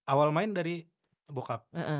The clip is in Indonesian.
awal main dari bokap